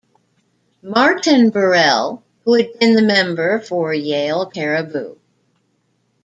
Martin Burrell, who had been the member for Yale-Cariboo.